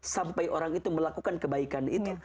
sampai orang itu melakukan kebaikan itu